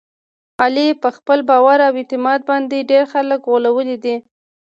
علي په خپل باور او اعتماد باندې ډېر خلک غولولي دي.